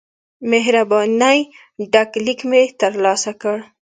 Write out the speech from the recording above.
مهربانی ډک لیک مې ترلاسه کړ.